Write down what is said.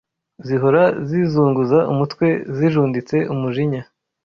zihora zizunguza umutwe zijunditse umujinya?